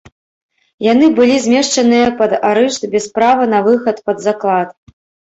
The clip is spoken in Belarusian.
Яны былі змешчаныя пад арышт без права на выхад пад заклад.